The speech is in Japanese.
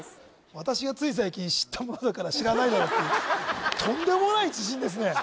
私がつい最近知ったものだから知らないだろうっていうとんでもない自信ですね